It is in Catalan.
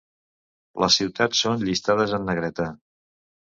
Les ciutats són llistades en negreta.